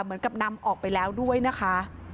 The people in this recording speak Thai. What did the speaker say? เหมือนกับนำออกไปแล้วด้วยนะคะ